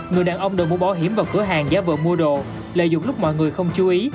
người đàn ông đồn mua bảo hiểm vào cửa hàng giá vợ mua đồ lợi dụng lúc mọi người không chú ý